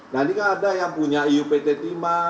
nah ini kan ada yang punya iupt timah